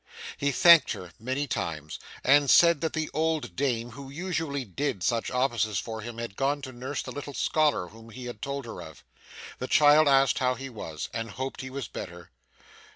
He thanked her many times, and said that the old dame who usually did such offices for him had gone to nurse the little scholar whom he had told her of. The child asked how he was, and hoped he was better.